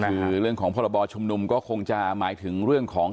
คือเรื่องของพรบชุมนุมก็คงจะหมายถึงเรื่องของ